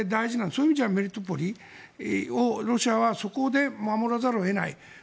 そういう意味じゃメリトポリをロシアはそこで守らざるを得ない。